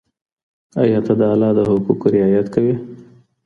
آیا ته د الله د حقونو رعایت کوې؟